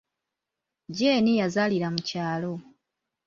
Jeeni yazaalira mu kyalo.